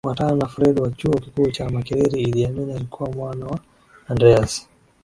Kufuatana na Fred wa Chuo Kikuu cha Makerere Idi Amin alikuwa mwana wa Andreas